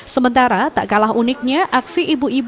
sementara tak kalah uniknya aksi ibu ibu yang sempat